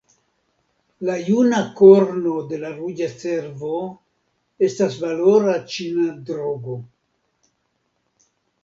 La juna korno de la ruĝa cervo estas valora ĉina drogo.